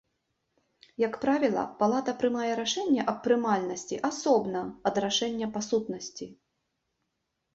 Як правіла, палата прымае рашэнне аб прымальнасці асобна ад рашэння па сутнасці.